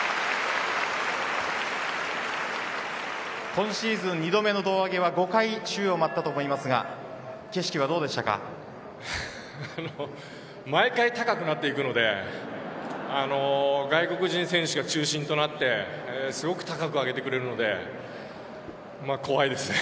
今シーズン２度目の胴上げは５回、宙を舞ったと思いますが毎回、高くなっていくので外国人選手が中心となってすごく高く上げてくれるので怖いですね。